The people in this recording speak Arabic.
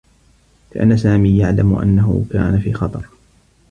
كان سامي يعلم أنّه كان في خطر.